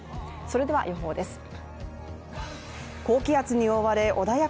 それでは予報です。